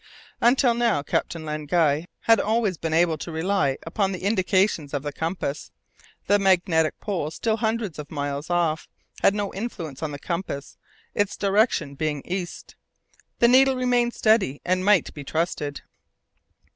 Until now, Captain Len Guy had always been able to rely upon the indications of the compass. The magnetic pole, still hundreds of miles off, had no influence on the compass, its direction being east. The needle remained steady, and might be trusted.